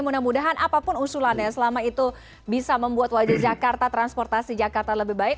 mudah mudahan apapun usulannya selama itu bisa membuat wajah jakarta transportasi jakarta lebih baik